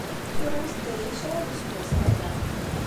Turamt-d aya kraḍ n yiseggasen aya.